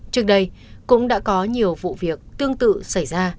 trước đây cũng đã có nhiều vụ việc tương tự xảy ra